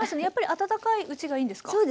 やっぱり温かいうちがいいんですか？